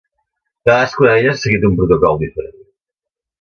Cadascuna d'elles ha seguit un protocol diferent.